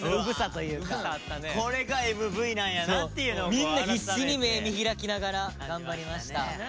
みんな必死に目見開きながら頑張りました。